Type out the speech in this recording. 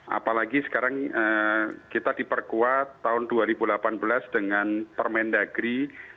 apalagi sekarang kita diperkuat tahun dua ribu delapan belas dengan permendagri satu ratus satu